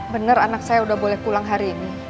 benar anak saya udah boleh pulang hari ini